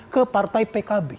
ke partai pkb